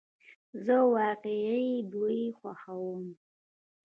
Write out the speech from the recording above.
زه واقعی دوی خوښوم